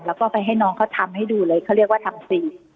แล้วก็ไปให้น้องเขาทำให้ดูเลยเขาเรียกว่าทำฟรี